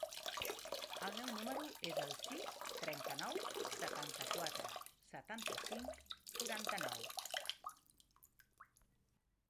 El meu número es el sis, trenta-nou, setanta-quatre, setanta-cinc, quaranta-nou.